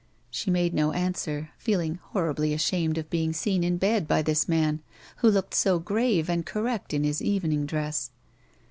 She made no answer, feeling horribly ashamed of being seen in bed by this man, wlio looked so grave and correct in his even ing dress.